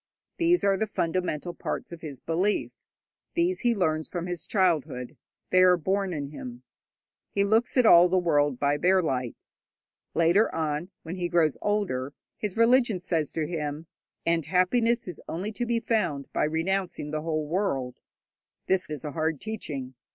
These are the fundamental parts of his belief; these he learns from his childhood: they are born in him. He looks at all the world by their light. Later on, when he grows older, his religion says to him, 'And happiness is only to be found by renouncing the whole world.' This is a hard teaching.